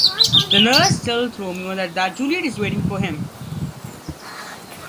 The nurse tells Romeo that Juliet is waiting for him.